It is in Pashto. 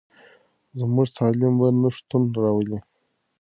زموږ تعلیم به نوښتونه راولي.